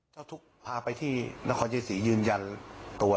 เจ้าทุกข์พาไปที่นครชัยศรียืนยันตัว